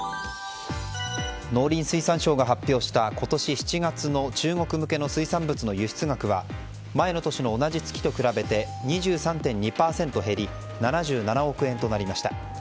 農林水産省が発表した今年７月の中国向けの水産物の輸出額は前の年の同じ月と比べて２３．２％減り７７億円となりました。